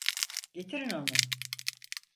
Getirin onu!